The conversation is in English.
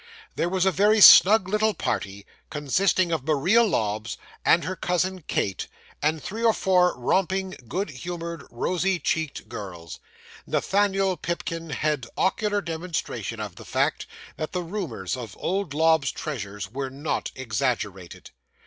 'There was a very snug little party, consisting of Maria Lobbs and her cousin Kate, and three or four romping, good humoured, rosy cheeked girls. Nathaniel Pipkin had ocular demonstration of the fact, that the rumours of old Lobbs's treasures were not exaggerated.